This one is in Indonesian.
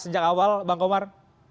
sejak awal bang komar